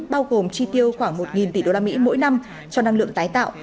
bao gồm tri tiêu khoảng một tỷ đô la mỹ mỗi năm cho năng lượng tái tạo